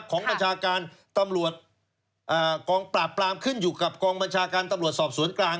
บัญชาการตำรวจกองปราบปรามขึ้นอยู่กับกองบัญชาการตำรวจสอบสวนกลาง